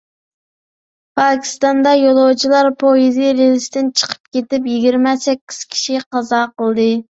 پاكىستاندا يولۇچىلار پويىزى رېلىستىن چىقىپ كېتىپ، يىگىرمە سەككىز كىشى قازا قىلدى.